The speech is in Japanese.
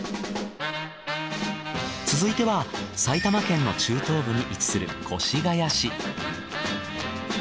続いては埼玉県の中東部に位置する越谷市。